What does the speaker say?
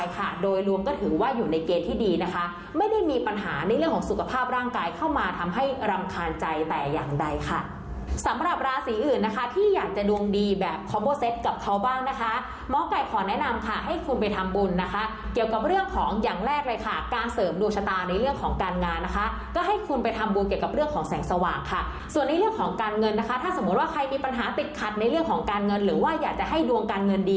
ความอ้านใจแต่อย่างใดค่ะสำหรับราศีอื่นนะคะที่อยากจะดวงดีแบบคอโปเซตกับเขาบ้างนะคะเมาะไก่ขอแนะนำค่ะให้คุณไปทำบุญนะคะเกี่ยวกับเรื่องของอย่างแรกเลยค่ะการเสริมโดชนาในเรื่องของการงานนะคะก็ให้คุณไปทำบุญเกี่ยวกับเรื่องของแสงสว่างค่ะส่วนในเรื่องของการเงินนะคะถ้าสมมติว่าใครมีปัญหาติดขัดในเรื่องของการ